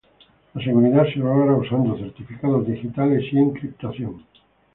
La seguridad se logra usando certificados digitales y encriptación.